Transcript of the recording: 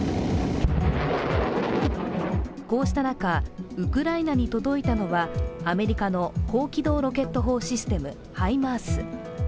こうした中、ウクライナに届いたのはアメリカの高機動ロケット砲システム・ハイマース。